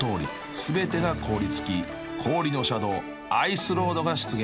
［全てが凍り付き氷の車道アイスロードが出現］